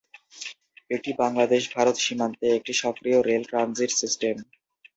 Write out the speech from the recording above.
এটি বাংলাদেশ-ভারত সীমান্তে একটি সক্রিয় রেল ট্রানজিট সিস্টেম।